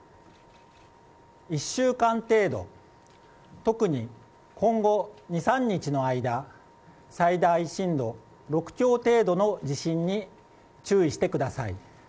１週間程度特に今後２３日の間最大震度６強程度の地震に注意してください。